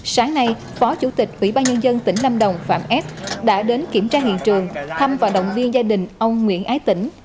sáng nay phó chủ tịch ủy ban nhân dân tỉnh lâm đồng phạm s đã đến kiểm tra hiện trường thăm và động viên gia đình ông nguyễn ái tỉnh